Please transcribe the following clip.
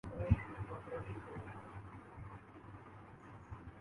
گویا ماضی، حال اور مستقبل سے وابستہ ہو جاتا ہے۔